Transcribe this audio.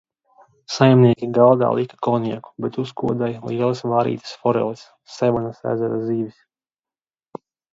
Saimnieki galdā lika konjaku, bet uzkodai – lielas vārītas foreles – Sevanas ezera zivis.